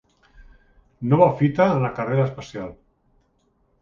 Nova fita en la carrera espacial.